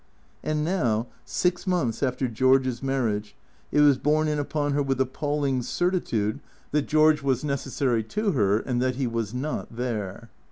And now, six months after George's marriage, it was borne in upon her with appalling certitude that George was necessary to her, and that he was not there.